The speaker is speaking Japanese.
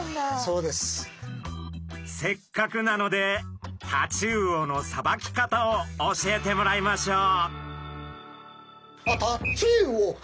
せっかくなのでタチウオのさばき方を教えてもらいましょう。